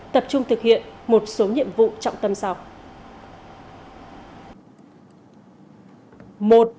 tập trung thực hiện một số nhiệm vụ trọng tâm sau